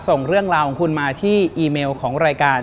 ส่งเรื่องราวของคุณมาที่อีเมลของรายการ